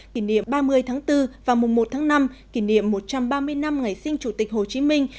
kỷ niệm ba mươi tháng bốn và mùng một tháng năm kỷ niệm một trăm ba mươi năm ngày sinh chủ tịch hồ chí minh